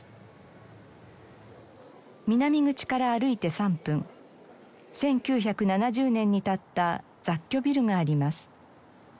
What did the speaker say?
南口から歩いて３分１９７０年に建った雑居ビルがあります。